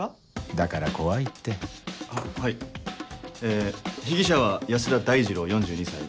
だから怖いってははいえ被疑者は安田大二郎４２歳。